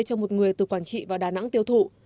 cho một người từ quảng trị vào đà nẵng tiêu thụ